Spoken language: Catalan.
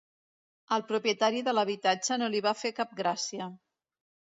Al propietari de l'habitatge no li va fer cap gràcia.